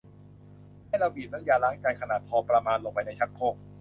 ให้เราบีบน้ำยาล้างจานขนาดพอประมาณลงไปในชักโครก